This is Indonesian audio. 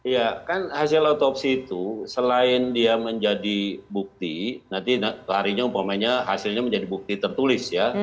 ya kan hasil otopsi itu selain dia menjadi bukti nanti larinya umpamanya hasilnya menjadi bukti tertulis ya